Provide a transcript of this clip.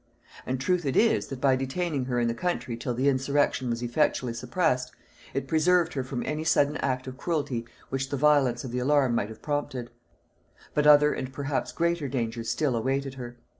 And true it is, that by detaining her in the country till the insurrection was effectually suppressed, it preserved her from any sudden act of cruelty which the violence of the alarm might have prompted: but other and perhaps greater dangers still awaited her.